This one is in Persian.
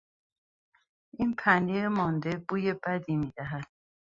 این پنیر مانده بوی بدی میدهد.